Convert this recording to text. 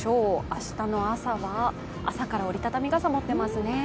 明日の朝は、朝から折り畳み傘を持っていますね。